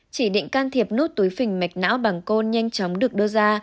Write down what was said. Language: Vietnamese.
chỉ định can thiệp nốt túi phình mạch não bằng côn nhanh chóng được đưa ra